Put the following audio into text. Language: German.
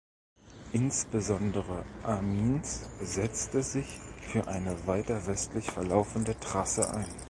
Insbesondere Amiens setzte sich für eine weiter westlich verlaufende Trasse ein.